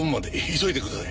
急いでください。